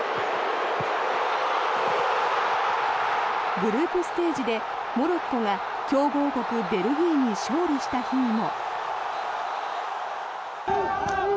グループステージでモロッコが強豪国ベルギーに勝利した日にも。